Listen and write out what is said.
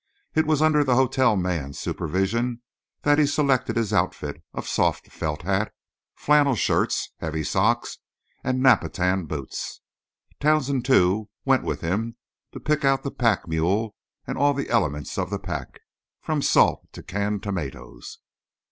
It was under the hotel man's supervision that he selected his outfit of soft felt hat, flannel shirts, heavy socks, and Napatan boots; Townsend, too, went with him to pick out the pack mule and all the elements of the pack, from salt to canned tomatoes.